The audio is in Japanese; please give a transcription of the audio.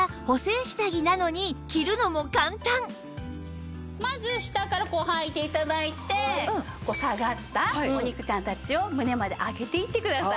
またまず下からはいて頂いて下がったお肉ちゃんたちを胸まで上げていってください。